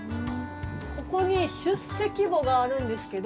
ここに出席簿があるんですけど。